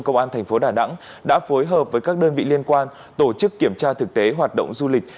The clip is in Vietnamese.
công an thành phố đà nẵng đã phối hợp với các đơn vị liên quan tổ chức kiểm tra thực tế hoạt động du lịch